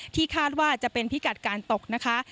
คาดว่าจะเป็นพิกัดการตกนะคะ